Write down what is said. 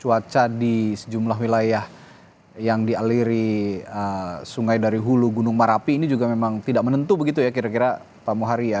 cuaca di sejumlah wilayah yang dialiri sungai dari hulu gunung merapi ini juga memang tidak menentu begitu ya kira kira pak muhari ya